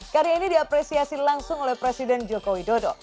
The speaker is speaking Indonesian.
karya ini diapresiasi langsung oleh presiden joko widodo